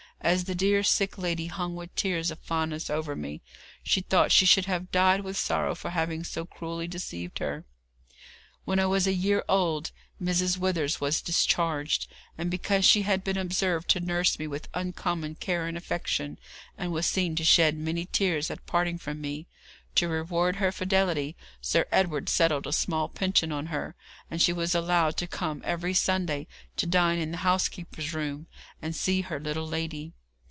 As the dear sick lady hung with tears of fondness over me, she thought she should have died with sorrow for having so cruelly deceived her. When I was a year old, Mrs. Withers was discharged, and because she had been observed to nurse me with uncommon care and affection, and was seen to shed many tears at parting from me, to reward her fidelity Sir Edward settled a small pension on her, and she was allowed to come every Sunday to dine in the housekeeper's room, and see her little lady.